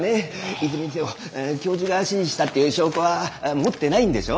いずれにせよ教授が指示したっていう証拠は持ってないんでしょ？